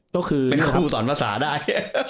เป็นครูสอนภาษาได้